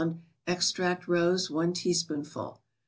Extract rose, i teaspoonful.